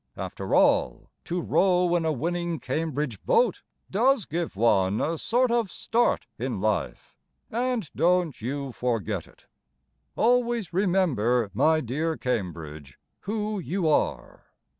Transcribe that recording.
After all, To row In a winning Cambridge boat Does give one A sort of start in life, And don't you forget it. Always remember, my dear Cambridge, who you are.